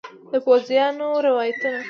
د پوځیانو روایتونه